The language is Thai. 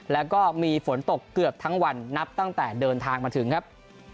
แล้วก็มีฝนตกเกือบทั้งวันนับตั้งแต่เดินทางมาถึงครับ